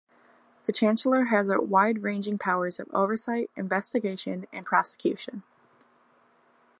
The Chancellor has wide-ranging powers of oversight, investigation and prosecution.